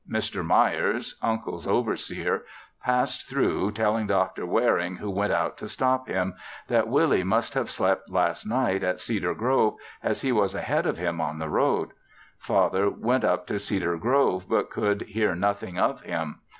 Mr. Myers, (Uncle's overseer) passed through telling Dr. Waring, who went out to stop him, that Willie must have slept last night at Cedar Grove, as he was ahead of him on the road. Father went up to Cedar Grove, but could hear nothing of him.